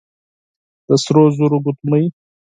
د سرو زرو ګوتمۍ،